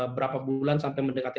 berapa bulan sampai mendekati